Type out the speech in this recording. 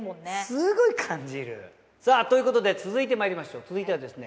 すごい感じるさあということで続いてまいりましょう続いてはですね